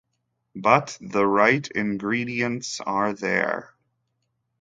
But the right ingredients are there.